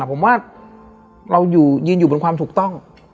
ผมว่าเรายืนอยู่บนความถูกต้อง